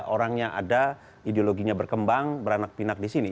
orangnya ada ideologinya berkembang beranak pinak di sini